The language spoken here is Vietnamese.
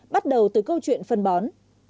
bắt đầu từ câu chuyện phân bón